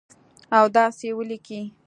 او داسي یې ولیکئ